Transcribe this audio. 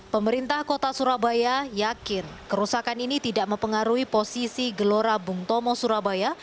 pemerintah kota surabaya yakin kerusakan ini tidak mempengaruhi posisi gelora bung tomo surabaya